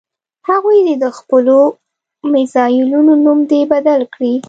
هغوی دې د خپلو میزایلونو نوم دې بدل کړي.